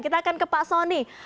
kita akan ke pak soni